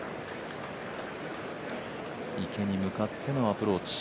池に向かってのアプローチ。